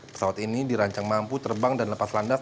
pesawat ini dirancang mampu terbang dan lepas landas